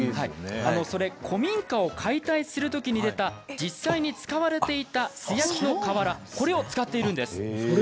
それは古民家を解体するときに出た、実際に使われていた素焼きの瓦を使っているんです。